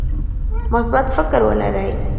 مثبت فکر ولرئ.